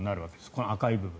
この赤い部分。